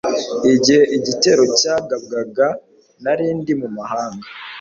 igihe igitero cyagabwaga narindi mu mahanga